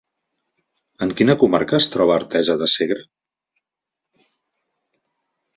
En quina comarca es troba Artesa de Segre?